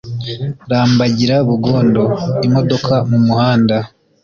Rambagira Bugondo.-Imodoka mu muhanda.